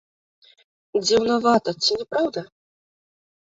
Дзіўнавата, ці не праўда?